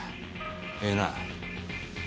ええな？